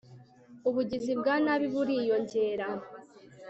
Ubugizi bwa nabi buriyongera